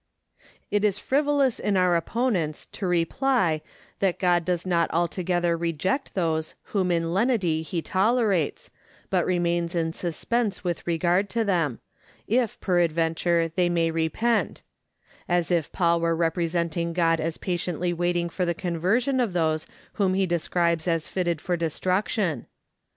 It is frivolous in our opponents to reply that God does not altogether reject those whom in lenity he tolerates, but remains in suspense with regard to them, if peradventure they may repent; as if Paul were representing God as patiently waiting for the conversion of those whom he describes as fitted for destruction.